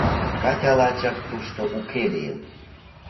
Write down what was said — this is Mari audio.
Катя лачак тушто уке лийын.